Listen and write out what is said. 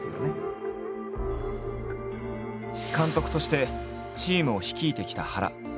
監督としてチームを率いてきた原。